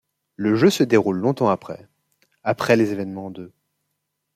Le jeu se déroule longtemps après ', après les évènements de '.